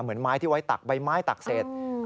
เหมือนไม้ที่ไว้ตักใบไม้ตักเสร็จ